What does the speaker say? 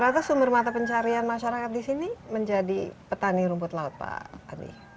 berapa sumber mata pencarian masyarakat di sini menjadi petani rumput laut pak adi